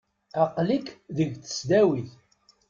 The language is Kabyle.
Aqqel-ik deg tesdawit.